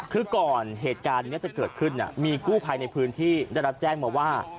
คือก่อนเหตุการณ์นี้จะเกิดขึ้นมีกู้ภัยในพื้นที่ได้รับแจ้งมาว่า